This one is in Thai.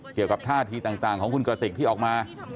เกี่ยวกับท่าทีต่างของคุณกระติกที่ออกมา